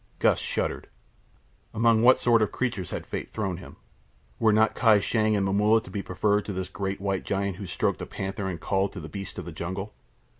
Gust shuddered. Among what sort of creatures had fate thrown him? Were not Kai Shang and Momulla to be preferred to this great white giant who stroked a panther and called to the beasts of the jungle?